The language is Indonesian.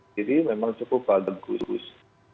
jadi memang cukup bagus